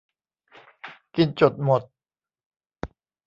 กินจดหมด